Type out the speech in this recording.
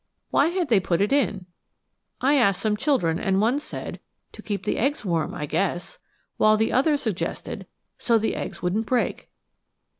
Why had they put it in? I asked some children, and one said, "To keep the eggs warm, I guess;" while the other suggested, "So the eggs wouldn't break."